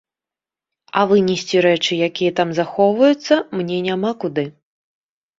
А вынесці рэчы, якія там захоўваюцца, мне няма куды.